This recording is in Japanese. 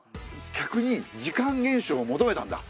客に時間厳守を求めたんだ。